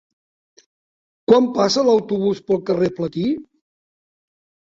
Quan passa l'autobús pel carrer Platí?